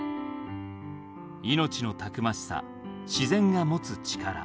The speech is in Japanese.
「命の逞しさ自然が持つ力」。